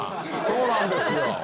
そうなんですよ。